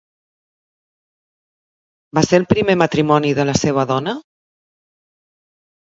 Va ser el primer matrimoni de la seva dona?